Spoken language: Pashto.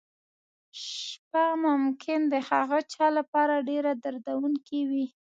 شپه ممکن د هغه چا لپاره ډېره دردونکې وي.